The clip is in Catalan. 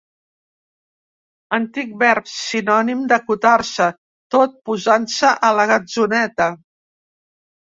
Antic verb sinònim d'acotar-se, tot posant-se a la gatzoneta.